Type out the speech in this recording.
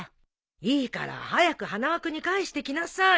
いいから早く花輪君に返してきなさい。